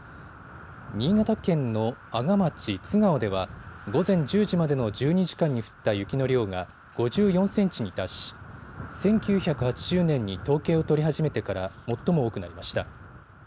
新潟県の阿賀町津川では午前１０時までの１２時間に降った雪の量が５４センチに達し１９８０年に統計を取り始めてから最も多くなりました。